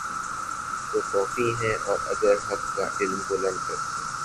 تو کوفی ہیں اور اگر حق کا علم بلند کرتے